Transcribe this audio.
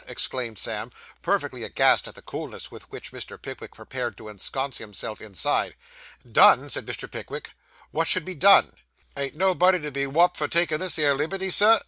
exclaimed Sam, perfectly aghast at the coolness with which Mr. Pickwick prepared to ensconce himself inside. 'Done!' said Mr. Pickwick. 'What should be done?' Ain't nobody to be whopped for takin' this here liberty, sir?